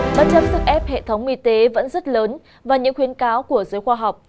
thưa quý vị bất chấp sức ép hệ thống y tế vẫn rất lớn và những khuyến cáo của giới khoa học